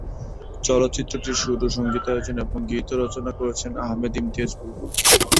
চলচ্চিত্রটির সুর ও সঙ্গীতায়োজন এবং গীত রচনা করেছেন আহমেদ ইমতিয়াজ বুলবুল।